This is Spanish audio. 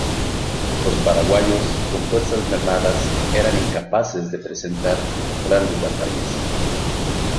Los paraguayos, con fuerzas mermadas, eran incapaces de presentar grandes batallas.